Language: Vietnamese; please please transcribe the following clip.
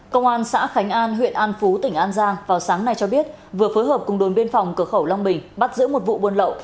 công an xã khánh an huyện an phú tỉnh an giang vào sáng nay cho biết vừa phối hợp cùng đồn biên phòng cửa khẩu long bình bắt giữ một vụ buôn lậu